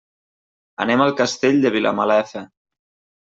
Anem al Castell de Vilamalefa.